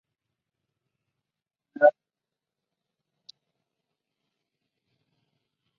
Bilal Qazi